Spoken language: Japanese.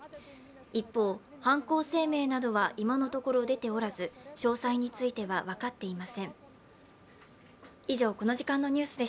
一方、犯行声明などは今のところ出ておらず、詳細については分かっていません。